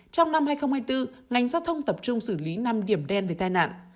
trong năm hai nghìn hai mươi bốn ngành giao thông tập trung xử lý năm điểm đen về tai nạn